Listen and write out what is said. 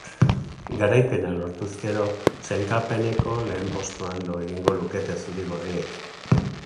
Garaipena lortuz gero sailkapeneko lehen postuan lo egingo lukete zuri-gorriek.